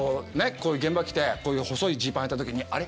こういう現場来てこういう細いジーパンはいた時にあれ？